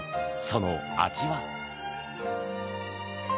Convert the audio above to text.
その味は？